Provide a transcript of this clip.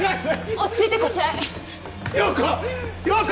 落ち着いてこちらへ洋子！